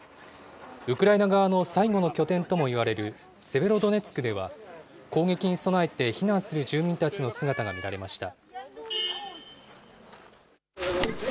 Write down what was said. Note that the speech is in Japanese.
ウクライナ側の最後の拠点ともいわれるセベロドネツクでは、攻撃に備えて避難する住民たちの姿が見られました。